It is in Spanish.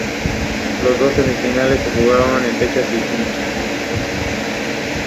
Actualmente es magistrada del Tribunal Supremo de Justicia de Venezuela en el exilio.